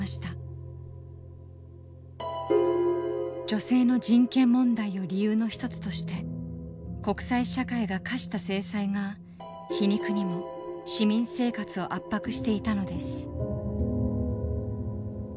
女性の人権問題を理由の一つとして国際社会が科した制裁が皮肉にも市民生活を圧迫していたのです。